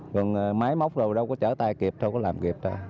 còn máy móc đâu có trở tay kịp đâu có làm kịp